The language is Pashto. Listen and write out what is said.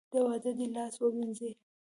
د واده دې لاس ووېنځي .